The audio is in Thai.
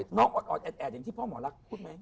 น้องออดแอดอย่างที่พ่อหมอรักพูดไหม